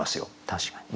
確かに。